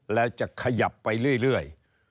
แล้วจะขยับไปเรื่อย